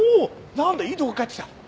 何だいいところに帰ってきた！